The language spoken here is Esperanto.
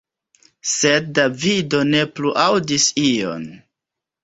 Sed Davido ne plu aŭdis ion.